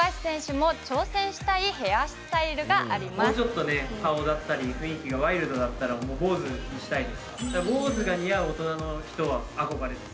もうちょっと顔だったり雰囲気がワイルドだったら、もう坊主にしたいです。